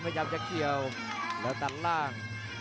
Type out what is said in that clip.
พยายามจะเกี่ยวแล้วตัดล่าง